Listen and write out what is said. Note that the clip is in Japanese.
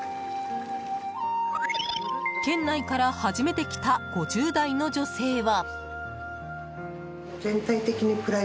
県内から初めて来た５０代の女性は。